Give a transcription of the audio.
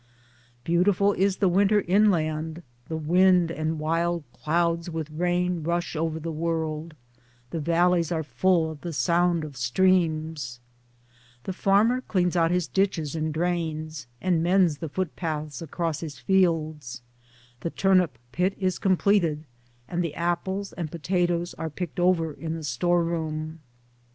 Beautiful is the winter inland ; the wind and wild clouds with rain rush over the world; the valleys are full of the sound of streams. ioo Towards Democracy The farmer cleans out his ditches and drains, and mends the foot paths across his fields ; the turnip pit is completed; and the apples and potatos are picked over in the store room.